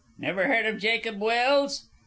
Never heard of Jacob Welse?